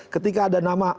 ketika ada nama